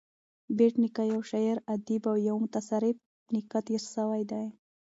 بېټ نیکه یو شاعر ادیب او یو متصرف نېکه تېر سوى دﺉ.